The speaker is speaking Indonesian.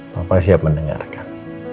papa siap mendengarkan